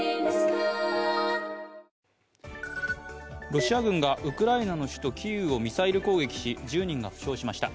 ロシア軍がウクライナの首都キーウをミサイル攻撃し、１０人が負傷しました。